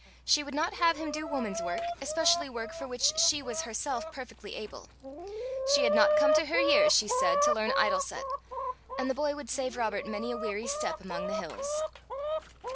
She would not have him do woman's work, especially work for which she was herself perfectly able. She had not come to her years, she said, to learn idleset; and the boy would save Robert many a weary step among the hills.